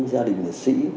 gia đình liệt sĩ